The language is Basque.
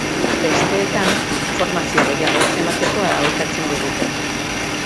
Besteetan, informazio gehiago ez emateko aholkatzen digute.